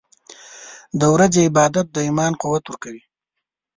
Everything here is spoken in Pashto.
• د ورځې عبادت د ایمان قوت ورکوي.